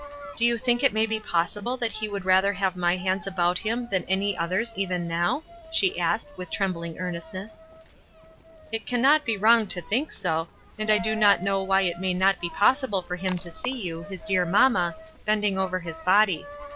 "Do you think it may be possible that ho would rather have my hands about him than any others even now?" she asked, with trembling earnestness* "It can not be wrong to think so ; and I do not know why it may not be possible for him to see you, his dear mamma, bending over his body.